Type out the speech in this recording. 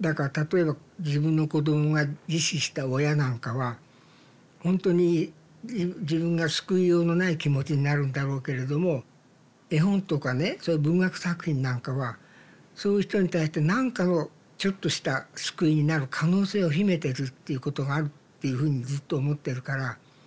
だから例えば自分の子供が自死した親なんかはほんとに自分が救いようのない気持ちになるんだろうけれども絵本とかねそういう文学作品なんかはそういう人に対して何かをちょっとした救いになる可能性を秘めてるっていうことがあるっていうふうにずっと思ってるから。